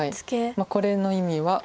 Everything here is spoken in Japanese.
これの意味は黒は。